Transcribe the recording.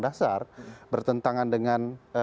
dasar bertentangan dengan